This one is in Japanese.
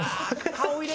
顔入れ